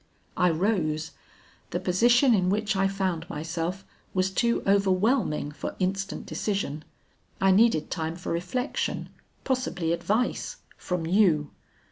I rose; the position in which I found myself was too overwhelming for instant decision. I needed time for reflection, possibly advice from you.